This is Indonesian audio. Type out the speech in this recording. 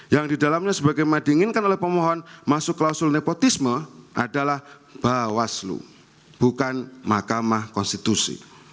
yang didalamnya sebagaimadinginkan oleh pemohon masuk klausul nepotisme adalah bawaslu bukan mahkamah konstitusi